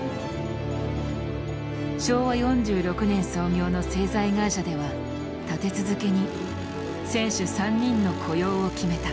昭和４６年創業の製材会社では立て続けに選手３人の雇用を決めた。